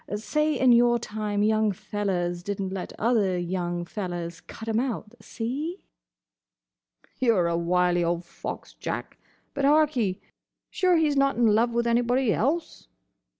Say in your time young fellers did n't let other young fellers cut 'em out. See?" "You 're a wily old fox, Jack. But, hark'ee! Sure he's not in love with anybody else?"